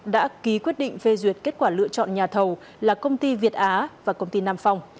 đã ký quyết định phê duyệt kết quả lựa chọn nhà thầu là công ty việt á và công ty nam phòng